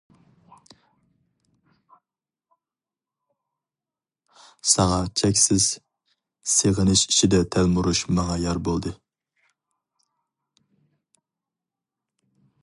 ساڭا چەكسىز سېغىنىش ئىچىدە تەلمۈرۈش ماڭا يار بولدى.